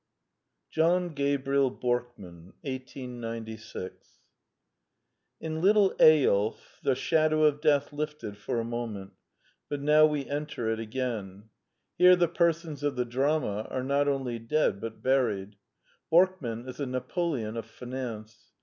John Gabriel Borkman 1896 In Little Eyolf the shadow of death lifted for a moment; but now we enter it again. Here the persons of the drama are not only dead but buried. Borkman is a Napoleon of finance.